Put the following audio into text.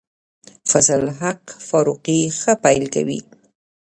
فضل الحق فاروقي ښه پیل کوي.